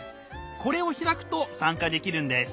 これを開くと参加できるんです。